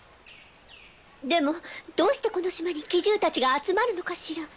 でもどうしてこの島に奇獣たちが集まるのかしら？